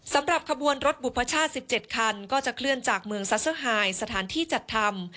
สำหรับขบวนรถบุพชาติ๑๗คันก็จะเคลื่อนจากเมืองซัสเซอร์ไฮสถานที่จัดทำ